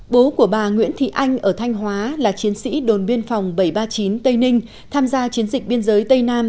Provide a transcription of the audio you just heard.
bố của bà nguyễn thị anh ở thanh hóa là chiến sĩ đồn biên phòng bảy trăm ba mươi chín tây ninh tham gia chiến dịch biên giới tây nam